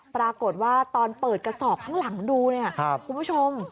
ปรากฏว่าตอนเปิดกระสอบข้างหลังดูเนี่ยคุณผู้ชม